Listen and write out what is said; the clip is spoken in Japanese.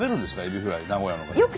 エビフライ名古屋の方は。